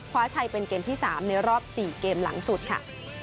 ชัยเป็นเกมที่๓ในรอบ๔เกมหลังสุดค่ะ